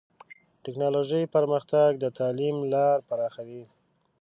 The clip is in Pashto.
ټکنالوژي پرمختګ د تعلیم لار پراخوي.